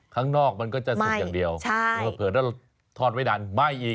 ข้างนอกมันก็จะสุกอย่างเดียวใช่แล้วเผื่อถ้าทอดไว้ดันไม่อีก